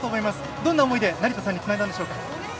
どんな思いで成田さんにつないだんでしょうか。